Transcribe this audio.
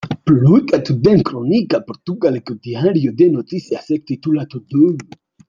Publikatu den kronika Portugaleko Diario de Noticias-ek titulatu du.